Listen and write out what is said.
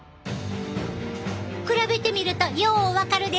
比べてみるとよう分かるで！